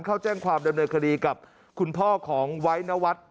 เข้าแจ้งความดำเนินคดีกับคุณพ่อของไว้นวัฒน์